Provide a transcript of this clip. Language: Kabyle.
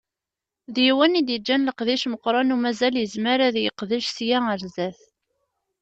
D yiwen i d-yeǧǧan leqdic meqqren u mazal yezmer ad yeqdec sya ar sdat.